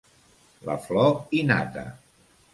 La flor i nata.